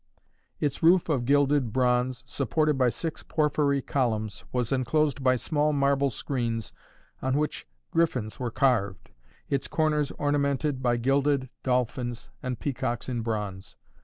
Its roof of gilded bronze, supported by six porphyry columns, was enclosed by small marble screens on which griffins were carved, its corners ornamented by gilded dolphins and peacocks in bronze.